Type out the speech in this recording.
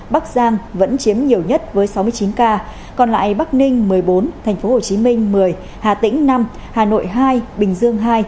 bắc giang vẫn chiếm nhiều nhất với sáu mươi chín ca còn lại bắc ninh một mươi bốn tp hcm một mươi hà tĩnh năm hà nội hai bình dương hai